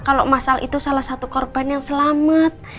kalau masal itu salah satu korban yang selamat